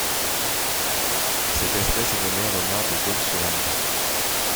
Cette espèce est nommée en l'honneur de Gaun Sureng.